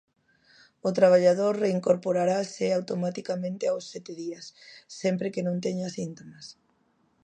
O traballador reincorporarase automaticamente aos sete días, sempre que non teña síntomas.